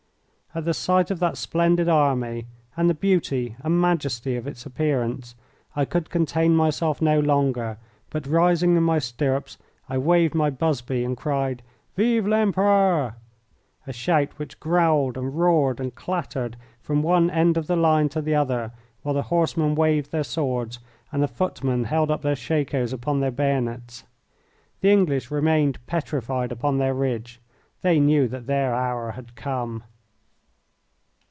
At the sight of that splendid army, and the beauty and majesty of its appearance, I could contain myself no longer, but, rising in my stirrups, I waved my busby and cried, "Vive l'Empereur!" a shout which growled and roared and clattered from one end of the line to the other, while the horsemen waved their swords and the footmen held up their shakos upon their bayonets. The English remained petrified upon their ridge. They knew that their hour had come.